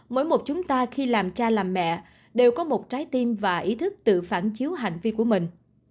mỗi một chúng ta khi làm cha làm mẹ đều có một trái tim và ý thức tự phản chiếu hành vi của mình